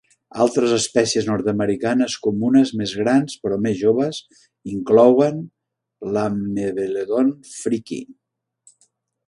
Altres espècies nord-americanes comunes més grans però més joves inclouen l'"Amebelodon fricki".